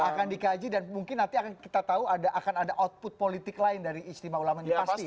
akan dikaji dan mungkin nanti akan kita tahu akan ada output politik lain dari istimewa ulama ini pasti